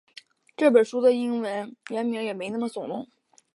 这本书的英文原名也没那么耸动